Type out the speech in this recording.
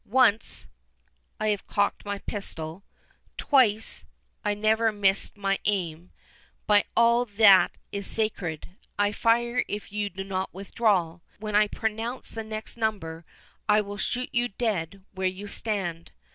Once—I have cocked my pistol— Twice—I never missed my aim—By all that is sacred, I fire if you do not withdraw. When I pronounce the next number, I will shoot you dead where you stand.